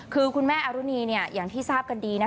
คือคุณแม่อรุณีอย่างที่ทราบกันดี